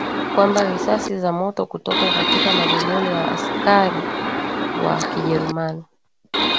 kwamba risasi za moto kutoka katika magobole ya askari wa Kijerumani